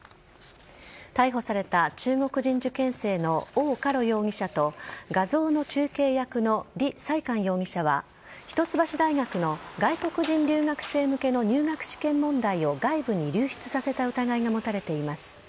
逮捕された中国人受験生のオウ・カロ容疑者と画像の中継役のリ・サイカン容疑者は一橋大学の外国人留学生向けの入学試験問題を外部に流出させた疑いが持たれています。